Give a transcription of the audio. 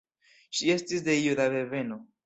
Ŝi estis de juda deveno.